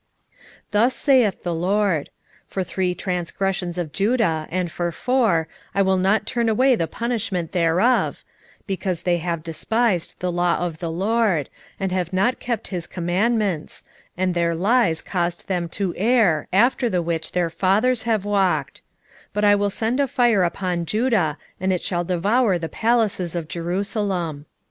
2:4 Thus saith the LORD; For three transgressions of Judah, and for four, I will not turn away the punishment thereof; because they have despised the law of the LORD, and have not kept his commandments, and their lies caused them to err, after the which their fathers have walked: 2:5 But I will send a fire upon Judah, and it shall devour the palaces of Jerusalem.